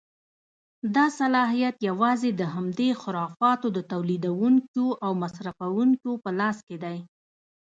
دا صلاحیت یوازې د همدې خرافاتو د تولیدوونکیو او مصرفوونکیو په لاس کې دی.